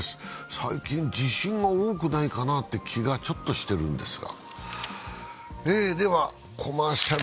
最近地震が多くないかなという気がちょっとしてるんですが。